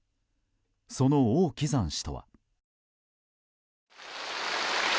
その王岐山氏とは。